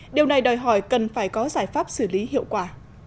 điều này đòi hỏi cần phải có giải pháp xử lý hiệu quả